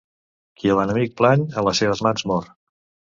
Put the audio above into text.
Qui a l'enemic plany, a les seves mans mor.